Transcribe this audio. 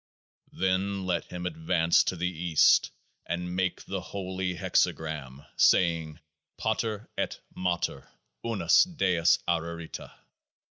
Then let him advance to the East, and make the Holy Hexagram, saying : PATER ET MATER UNIS DEUS ARARITA.